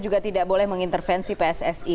juga tidak boleh mengintervensi pssi